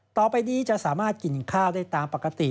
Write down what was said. ต่อไปนี้จะสามารถกินข้าวได้ตามปกติ